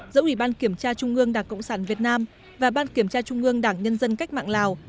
giữa ủy ban kiểm tra trung ương đảng cộng sản việt nam và ban kiểm tra trung ương đảng nhân dân cách mạng lào